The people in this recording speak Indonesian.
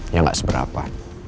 yang gak seberapa